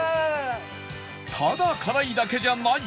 ただ辛いだけじゃない！